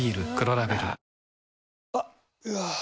あっ、うわー。